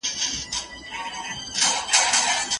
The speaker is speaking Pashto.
پلار له پخوا زوی ته نصيحت کړی دی.